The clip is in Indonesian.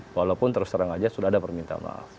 walaupun terus terang saja sudah ada permintaan maaf